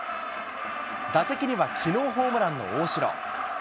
打席にはきのうホームランの大城。